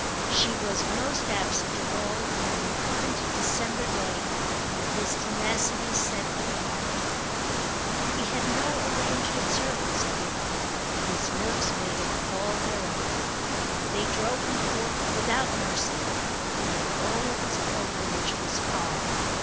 She was most absent of all on the recurrent December day that his tenacity set apart. He had no arranged observance of it, but his nerves made it all their own. They drove him forth without mercy, and the goal of his pilgrimage was far.